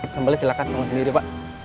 sambelnya silahkan sama sendiri pak